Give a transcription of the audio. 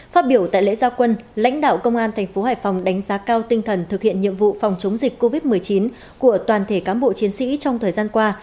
phát biểu tại lễ gia quân lãnh đạo công an thành phố hải phòng đánh giá cao tinh thần thực hiện nhiệm vụ phòng chống dịch covid một mươi chín của toàn thể cán bộ chiến sĩ trong thời gian qua